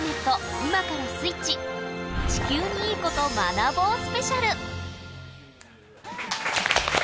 今からスイッチ・地球にいいこと学ぼうスペシャル。